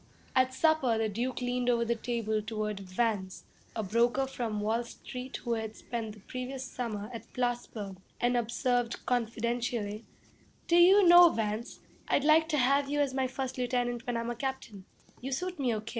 At supper the Duke leaned over the table toward Vance, a broker from Wall Street who had spent the previous summer at Plattsburg, and observed confidentially, 'Do you know, Vance, I'd like to have you as my first lieutenant when I'm a captain. You suit me O.